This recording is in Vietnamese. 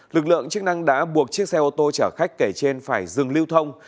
lực lượng chức năng đã buộc chiếc xe ô tô chở khách kể trên phải dừng lưu thông